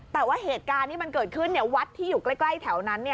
แต่ว่าเหตุการณ์ที่มันเกิดขึ้นวัดที่อยู่ใกล้แถวนั้น